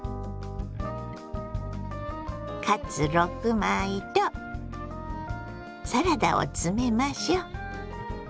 カツ６枚とサラダを詰めましょ。